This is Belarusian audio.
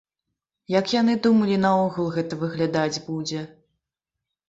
Як яны думалі наогул гэта выглядаць будзе?